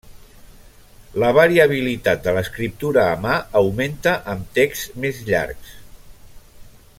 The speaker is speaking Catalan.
La variabilitat de l'escriptura a mà augmenta amb texts més llargs.